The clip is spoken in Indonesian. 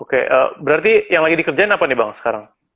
oke berarti yang lagi dikerjain apa nih bang sekarang